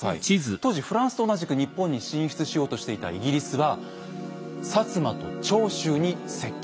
当時フランスと同じく日本に進出しようとしていたイギリスは摩と長州に接近。